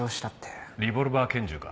リボルバー拳銃か？